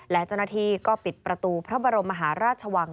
และเจ้าหน้าที่ก็ปิดประตูพระบรมมหาราชวัง